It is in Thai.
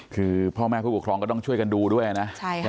คือพ่อแม่ผู้ปกครองก็ต้องช่วยกันดูด้วยนะ